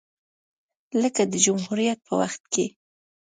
لکه د جمهوریت په وخت کې